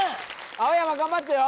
青山頑張ってよ